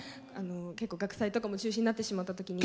結構、学祭とかも中止になってしまったときに。